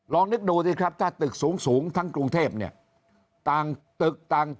นึกดูสิครับถ้าตึกสูงทั้งกรุงเทพเนี่ยต่างตึกต่าง